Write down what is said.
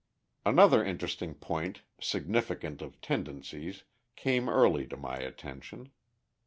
Another interesting point significant of tendencies came early to my attention.